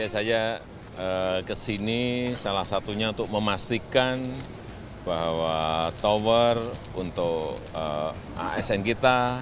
saya kesini salah satunya untuk memastikan bahwa tower untuk asn kita